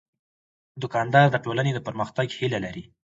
دوکاندار د ټولنې د پرمختګ هیله لري.